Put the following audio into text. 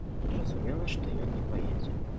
Зразумела, што ён не паедзе.